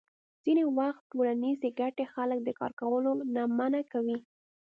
ځینې وخت ټولنیزې ګټې خلک د کار کولو نه منع کوي.